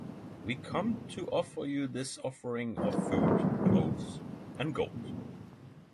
We come to offer you this offering of food, clothes, and gold.